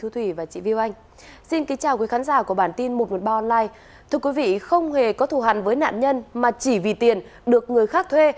thưa quý vị không hề có thù hẳn với nạn nhân mà chỉ vì tiền được người khác thuê